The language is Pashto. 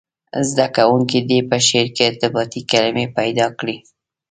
زده کوونکي دې په شعر کې ارتباطي کلمي پیدا کړي.